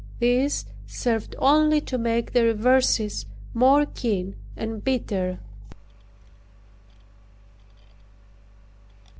These served only to make the reverses more keen and bitter.